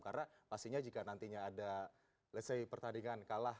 karena pastinya jika nantinya ada let's say pertandingan kalah